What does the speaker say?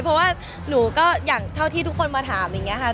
เพราะว่าหนูก็อย่างเท่าที่ทุกคนมาถามอย่างนี้ค่ะ